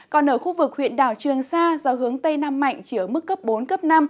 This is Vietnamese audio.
còn ở khu vực huyện đảo trường sa do hướng tây nam mạnh chỉ ở mức cấp bốn năm